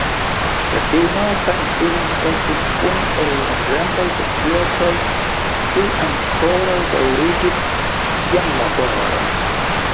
La firmao Pan-Film estis unu el la grandaj societoj, kiuj ankoraŭ daŭrigis sian laboron.